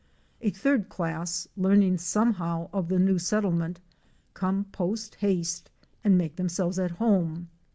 A third class, learning somehow of the new settlement, come post haste and make themselves at home.